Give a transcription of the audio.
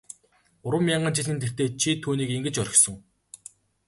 Гурван мянган жилийн тэртээд чи түүнийг ингэж орхисон.